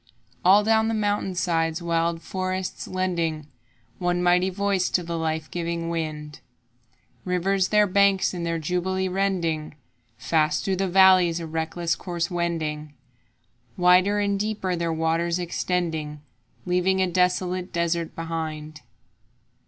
All down the mountain sides wild forests lending One mighty voice to the life giving wind, Rivers their banks in their jubilee rending, Fast through the valleys a reckless course wending, Wider and deeper their waters extending, Leaving a desolate desert behind.